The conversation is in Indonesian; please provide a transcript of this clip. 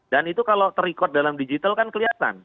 dan itu kalau ter record dalam digital kan kelihatan